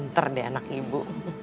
pinter deh anak ibu